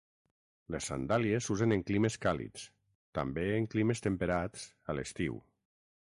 Les sandàlies s'usen en climes càlids; també, en climes temperats, a l'estiu.